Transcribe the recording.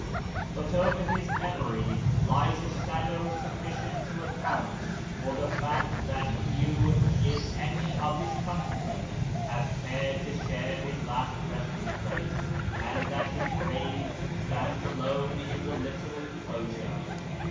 But over his memory lies a shadow sufficient to account for the fact that few, if any, of his countrymen have cared to share his last resting place, and that his grave stands alone in the little enclosure.